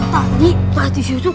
tadi batis itu